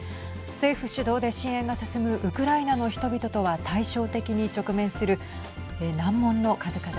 政府主導で支援が進むウクライナの人々とは対照的に直面する難問の数々。